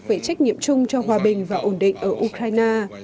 về trách nhiệm chung cho hòa bình và ổn định ở ukraine